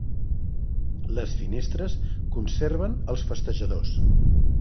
Les Finestres conserven els festejadors.